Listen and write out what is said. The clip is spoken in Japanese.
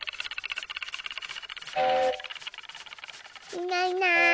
いないいない。